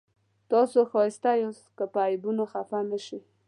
تاسو ښایسته یاست که پر عیبونو خفه نه شئ.